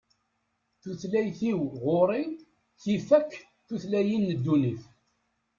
Tutlayt-iw, ɣur-i tif akk tutlayin n ddunit.